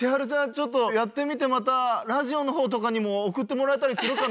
ちょっとやってみてまたラジオの方とかにも送ってもらえたりするかな？